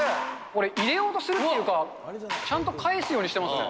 これ、入れようとしてるっていうか、ちゃんと返すようにしてますね。